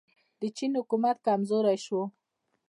د چین حکومت کمزوری شو.